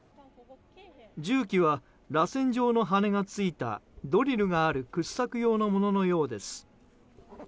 重機はらせん状の羽がついたドリルがある掘削用のもののようです。